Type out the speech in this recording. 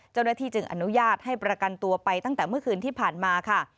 เจ้าหน้าที่จึงอนุญาตให้ประกันตัวไปตั้งแต่เมื่อคืนที่ผ่านมาค่ะ